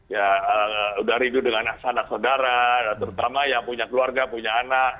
ya sudah ridu dengan anak anak saudara terutama yang punya keluarga punya anak